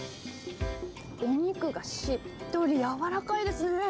お肉がしっとり柔らかいですね。